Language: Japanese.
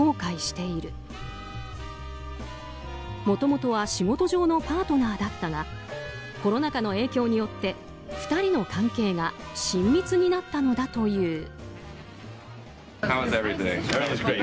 もともとは仕事上のパートナーだったがコロナ禍の影響によって２人の関係が親密になったのだという。